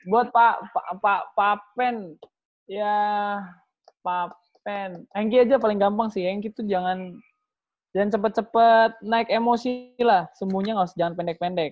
buat pak pak pak pak pen ya pak pen henki aja paling gampang sih henki tuh jangan cepet cepet naik emosi lah semuanya gausah jangan pendek pendek